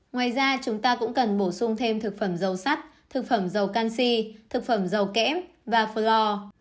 ngoài ra chúng ta cũng cần bổ sung thêm thực phẩm dầu sắt thực phẩm dầu canxi thực phẩm dầu kém và flor